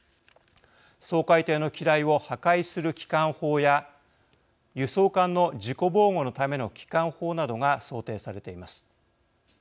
掃海艇の機雷を破壊する機関砲や輸送艦の自己防護のための機関砲などが想定されています。